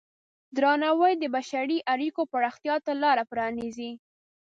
درناوی د بشري اړیکو پراختیا ته لاره پرانیزي.